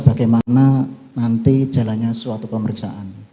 bagaimana nanti jalannya suatu pemeriksaan